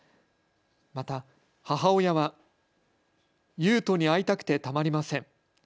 また、母親は勇斗に会いたくてたまりません。